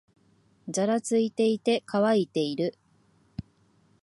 ざらついていて、乾いている